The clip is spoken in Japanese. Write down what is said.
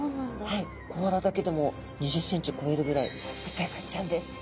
はい甲羅だけでも２０センチ超えるぐらいでっかいカニちゃんです。